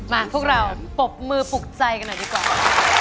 พวกเราปรบมือปลุกใจกันหน่อยดีกว่า